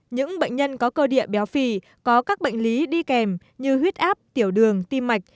những bệnh nhân có cơ địa béo phì có các bệnh lý đi kèm như huyết áp tiểu đường tim mạch